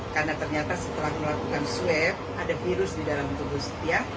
karena ternyata setelah melakukan swab ada virus di dalam tubuh setia